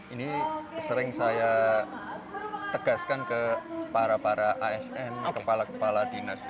ini sering saya tegaskan ke para para asn